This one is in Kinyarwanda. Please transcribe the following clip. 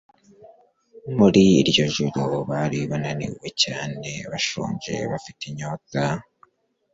Muri iryo joro bari bananiwe cyane, bashonje, bafite inyota.